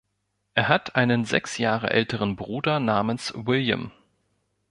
Er hat einen sechs Jahre älteren Bruder namens William.